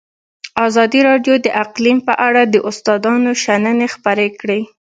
ازادي راډیو د اقلیم په اړه د استادانو شننې خپرې کړي.